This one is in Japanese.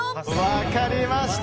分かりました！